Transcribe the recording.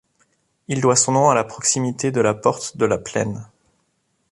Il doit son nom à la proximité de la porte de la Plaine.